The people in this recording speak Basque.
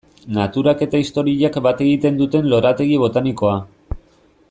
Naturak eta historiak bat egiten duten lorategi botanikoa.